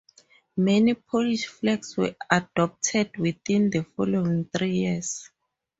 Many Polish flags were adopted within the following three years.